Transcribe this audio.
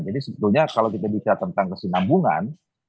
jadi sebetulnya kalau kita bicara tentang kesinambungan